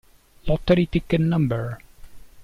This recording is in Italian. Lottery Ticket No.